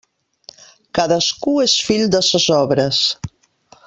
Cadascú és fill de ses obres.